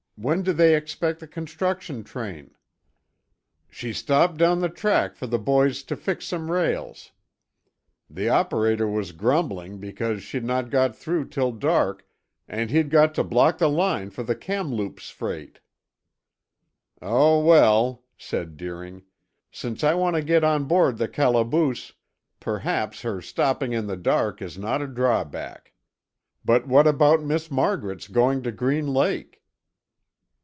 When do they expect the construction train?" "She stopped doon the track for the boys to fix some rails. The operator was grumbling because she'd no' get through till dark and he'd got to block the line for the Kamloops freight." "Oh, well," said Deering, "since I want to get on board the calaboose, perhaps her stopping in the dark is not a drawback. But what about Miss Margaret's going to Green Lake?"